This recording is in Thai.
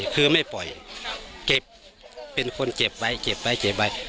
คือไม่ปล่อยเก็บเป็นคนเก็บไว้เก็บไว้เก็บไว้